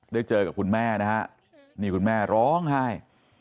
เจอกับคุณแม่นะฮะนี่คุณแม่ร้องไห้